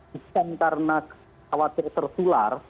bukan karena khawatir tertular